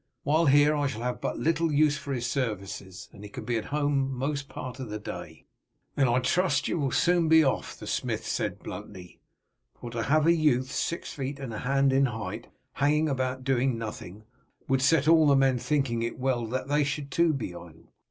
While here I shall have but little use for his services, and he can be at home most part of the day." "Then I trust you will soon be off," the smith said bluntly, "for to have a youth six feet and a hand in height hanging about doing nothing would set all the men thinking it well that they too should be idle.